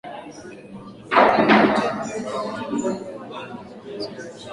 Kuna vivutio kama vile mji mkongwe wa Zanzibar